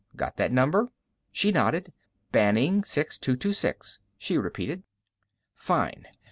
Got that number?" She nodded. "BANning 6226," she repeated. "Fine.